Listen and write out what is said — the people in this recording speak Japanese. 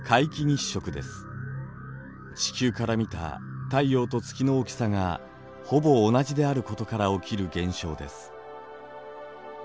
地球から見た太陽と月の大きさがほぼ同じであることから起きる現象です。